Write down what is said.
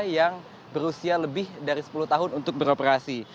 yang berusia lebih dari sepuluh tahun untuk beroperasi